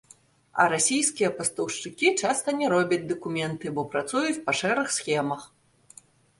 А расійскія пастаўшчыкі часта не робяць дакументы, бо працуюць па шэрых схемах.